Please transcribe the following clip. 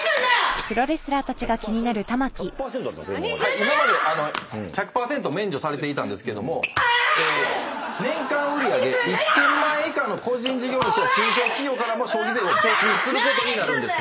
今まで１００％免除されていたんですけども年間売上１，０００万円以下の個人事業主や中小企業からも消費税を徴収することになるんです。